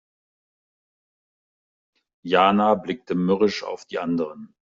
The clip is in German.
Jana blickte mürrisch auf die anderen.